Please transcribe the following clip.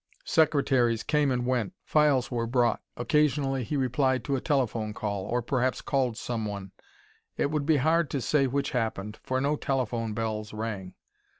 Secretaries came and went; files were brought. Occasionally he replied to a telephone call or perhaps called someone. It would be hard to say which happened, for no telephone bells rang.